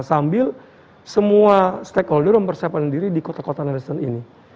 sambil semua stakeholder mempersiapkan diri di kota kota neristen ini